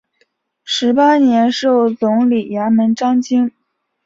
十八年授总理衙门章京。